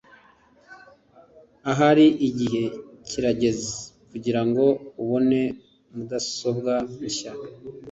ahari igihe kirageze kugirango ubone mudasobwa nshya